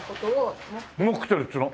モクテルっつうの？